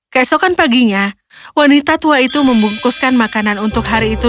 keesokan paginya wanita tua itu membungkuskan makanan untuk hari itu